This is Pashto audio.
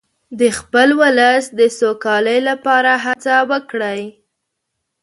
د خپل ولس د سوکالۍ لپاره هڅه وکړئ.